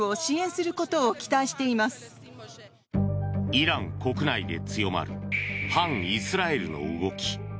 イラン国内で強まる反イスラエルの動き。